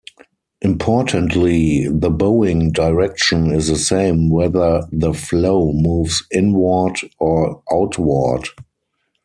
Importantly, the bowing direction is the same whether the flow moves inward or outward.